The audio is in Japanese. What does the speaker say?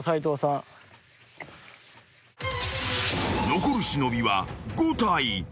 ［残る忍は５体］